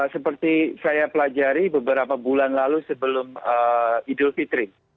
seperti saya pelajari beberapa bulan lalu sebelum idul fitri